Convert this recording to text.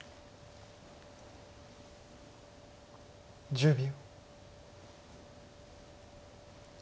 １０秒。